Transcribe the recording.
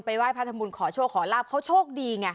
ไปไหว้พระธรรมุนขอโชคขอลาภเขาโชคดีก่อน